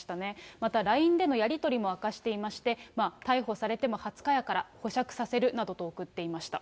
またＬＩＮＥでのやり取りも明かしていまして、逮捕されても２０日やから、保釈させるなどと送っていました。